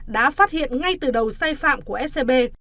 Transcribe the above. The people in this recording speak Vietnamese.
đã phát hiện ngay từ đầu sai phạm của scb